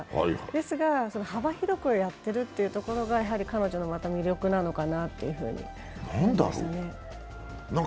ですが幅広くやってるということころがまた彼女の魅力なのかなと思いますね。